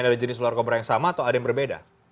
ada jenis ular kobra yang sama atau ada yang berbeda